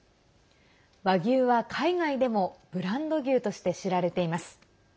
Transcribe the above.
和牛は海外でもブランド牛として知られています。